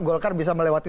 golkar bisa melewati